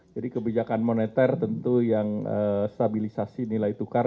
jadi kebijakan moneter tentu yang stabilisasi nilai tukar